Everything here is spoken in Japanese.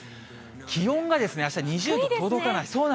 気温があした２０度届かない。